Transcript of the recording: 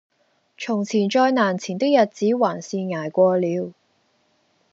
從前再難纏的日子還是捱過了